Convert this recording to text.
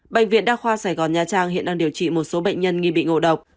bệnh viện đa khoa sài gòn nha trang hiện đang điều trị một số bệnh nhân nghi bị ngộ độc